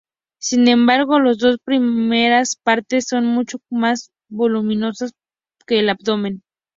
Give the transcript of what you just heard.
Sin embargo, las dos primeras partes son mucho más voluminosas que al abdomen.